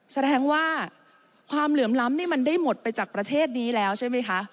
แสดงว่าความเหลื่อมล้ำนี่มันได้หมดไปจากประเทศนี้แล้วใช่ไหมคะ